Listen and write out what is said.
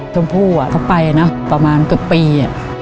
ชมพู่เขาไปนะประมาณเกือบปี